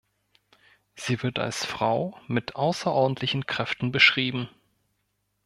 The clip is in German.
Sie wird als Frau mit außerordentlichen Kräften beschrieben.